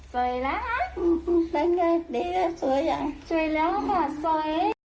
สวยแล้วฮะสวยแล้วค่ะสวย